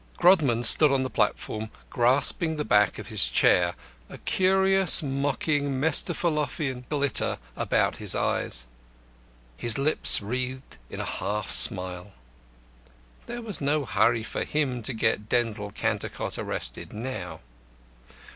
Grodman stood on the platform, grasping the back of his chair, a curious mocking Mephistophelian glitter about his eyes, his lips wreathed into a half smile. There was no hurry for him to get Denzil Cantercot arrested now.